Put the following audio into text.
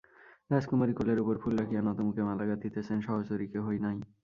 রাজকুমারী কোলের উপর ফুল রাখিয়া নতমুখে মালা গাঁথিতেছেন, সহচরী কেহই নাই।